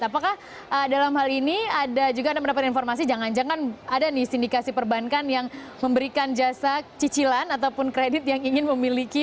apakah dalam hal ini ada juga anda mendapat informasi jangan jangan ada nih sindikasi perbankan yang memberikan jasa cicilan ataupun kredit yang ingin memiliki